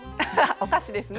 お菓子ですね。